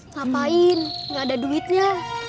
ngapain gak ada duitnya